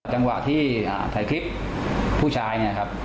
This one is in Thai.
จังหวะที่ถ่ายคลิปผู้ชาย